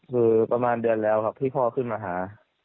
คือประมาณเดือนแล้วครับที่พ่อขึ้นมาหา